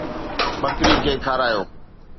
ٻڪري کي کارايو